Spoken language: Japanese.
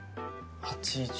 ８０。